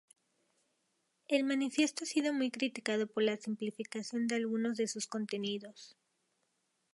El manifiesto ha sido muy criticado por la simplificación de algunos de sus contenidos.